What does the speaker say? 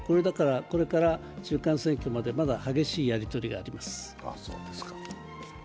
これから中間選挙まで、まだ激しいやり取りがあります。